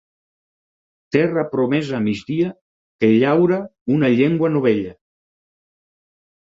Terra promesa a migdia que llaura una llengua novella.